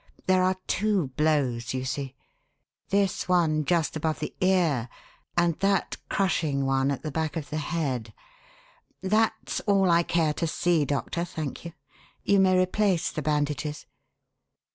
There are two blows, you see: this one just above the ear, and that crushing one at the back of the head. That's all I care to see, Doctor, thank you. You may replace the bandages."